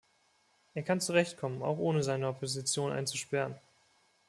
Er kann zurechtkommen, auch ohne seine Opposition einzusperren.